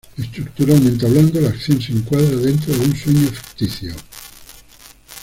Estructuralmente hablando, la acción se encuadra dentro de un sueño ficticio.